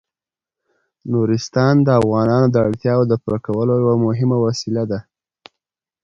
نورستان د افغانانو د اړتیاوو د پوره کولو یوه مهمه وسیله ده.